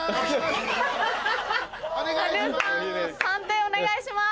判定お願いします。